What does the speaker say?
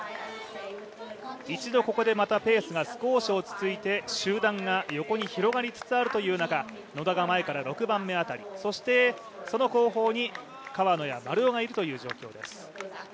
一度ここでまたペースが少し落ち着いて集団が横に広がりつつあるという中野田が前から６番目辺り、そしてその後方に川野や丸尾がいるという状況です。